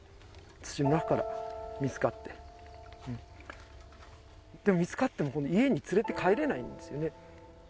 土の中から見つかってでも見つかっても家に連れて帰れないんですよね